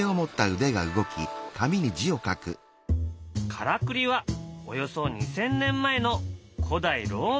からくりはおよそ２，０００年前の古代ローマにもあった。